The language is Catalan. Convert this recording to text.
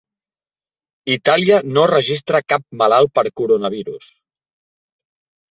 Itàlia no registra cap malalt per coronavirus